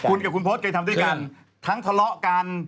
คุณกับคุณพศเคยทำด้วยกันทั้งทะเลาะกัน